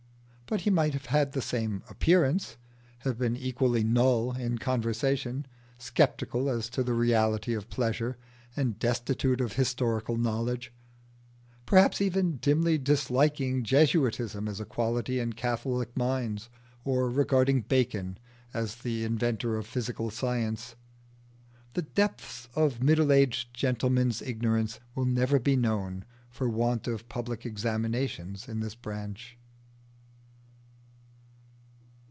But he might have had the same appearance, have been equally null in conversation, sceptical as to the reality of pleasure, and destitute of historical knowledge; perhaps even dimly disliking Jesuitism as a quality in Catholic minds, or regarding Bacon as the inventor of physical science. The depths of middle aged gentlemen's ignorance will never be known, for want of public examinations in this branch.